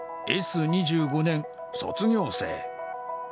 Ｓ２５年卒業生。